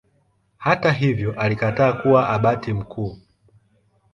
Hata hivyo alikataa kuwa Abati mkuu.